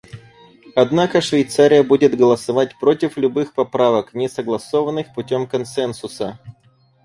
Однако Швейцария будет голосовать против любых поправок, не согласованных путем консенсуса.